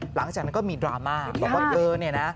หลังจากนั้นก็มีดราม่าบอกว่าเธอเนี่ยนะ